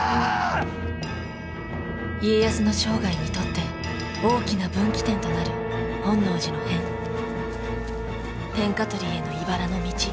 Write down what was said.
家康の生涯にとって大きな分岐点となる本能寺の変天下取りへのいばらの道